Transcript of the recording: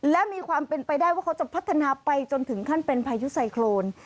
และมีความเป็นไปได้ว่าเขาจะพัฒนาไปจนถึงขั้นเป็นพายุไซโครน